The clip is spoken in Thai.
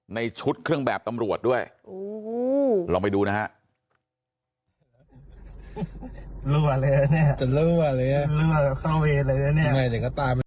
ในชุดเครื่องแบบตำรวจด้วยลองไปดูนะฮะ